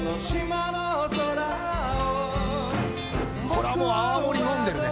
これはもう泡盛飲んでるね。